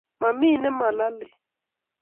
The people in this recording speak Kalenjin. mamii nemalelei